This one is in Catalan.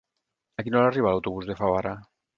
A quina hora arriba l'autobús de Favara?